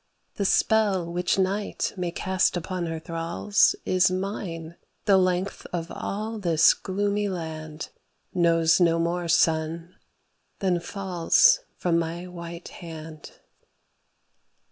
The spell which night may cast upon her thralls Is mine; the length of all this gloomy land Knows no more sun than falls from my white hand.